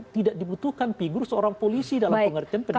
tidak dibutuhkan figur seorang polisi dalam pengertian pendidikan